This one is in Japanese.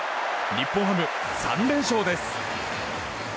日本ハム、３連勝です。